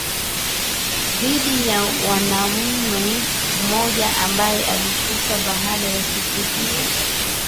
dhidi ya mwanamme mmoja ambaye alikufa baadaye siku hiyo